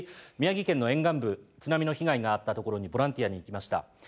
宮城県の沿岸部津波の被害があったところにボランティアに行きました。